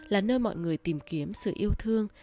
là nơi mọi người tìm kiếm sự yêu thương